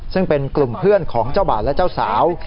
ซึ่งเป็นกลุ่มเพื่อนของเจ้าบ่าวและเจ้าสาว